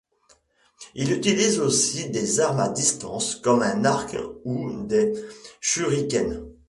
Il utilise aussi des armes à distance, comme un arc ou des shurikens.